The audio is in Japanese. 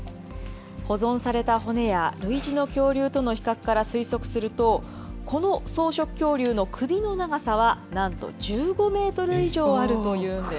保存された骨や、類似の恐竜との比較から推測すると、この草食恐竜の首の長さはなんと１５メートル以上あるというんです。